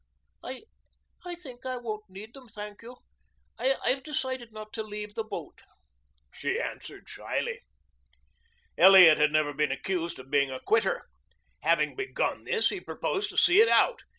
"I I think I won't need them, thank you. I've decided not to leave the boat," she answered shyly. Elliot had never been accused of being a quitter. Having begun this, he proposed to see it out.